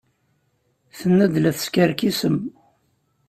Tenna-d la teskerkisem.